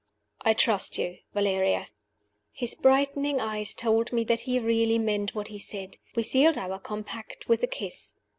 "I trust you, Valeria!" His brightening eyes told me that he really meant what he said. We sealed our compact with a kiss.